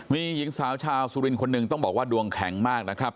มีหญิงสาวชาวสุรินทร์คนหนึ่งต้องบอกว่าดวงแข็งมากนะครับ